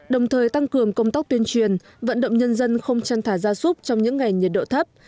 đồng thời tăng cường công tóc tuyên truyền vận động nhân dân không trăn thả gia súc trong những ngày nhiệt độ thấp